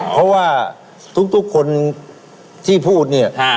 เพราะว่าทุกคนที่พูดเนี่ย